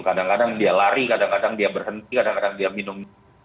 kadang kadang dia lari kadang kadang dia berhenti kadang kadang dia minum